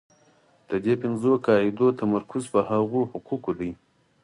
د دې پنځو قاعدو تمرکز پر هغو حقوقو دی.